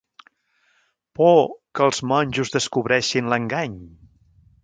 ¿Por que els monjos descobreixin l'engany?